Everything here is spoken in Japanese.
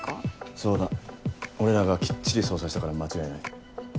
そうだ俺らがきっちり捜査したから間違いない。